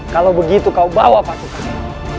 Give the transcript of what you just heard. kalau begitu kau bawa pasukannya